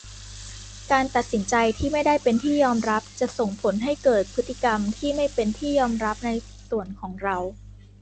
การตัดสินใจที่ไม่ได้เป็นที่ยอมรับจะส่งผลให้เกิดพฤติกรรมที่ไม่เป็นที่ยอมรับในส่วนของเรา